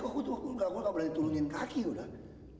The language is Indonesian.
kok aku tuh nggak berani turunin kaki udah